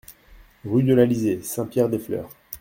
Rue de l'Alizé, Saint-Pierre-des-Fleurs